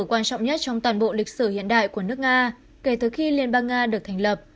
quan trọng nhất trong toàn bộ lịch sử hiện đại của nước nga kể từ khi liên bang nga được thành lập